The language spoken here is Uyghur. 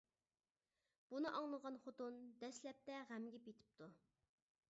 بۇنى ئاڭلىغان خوتۇن دەسلەپتە غەمگە پېتىپتۇ.